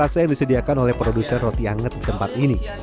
ada sebelas rasa yang disediakan oleh produser roti hangat di tempat ini